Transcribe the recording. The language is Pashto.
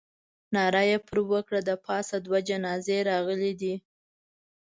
ناره یې پر وکړه. د پاسه دوه جنازې راغلې دي.